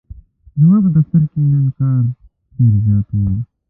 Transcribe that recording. ځماپه دفترکی نن کار ډیرزیات و.